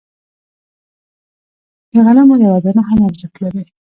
د غنمو یوه دانه هم ارزښت لري.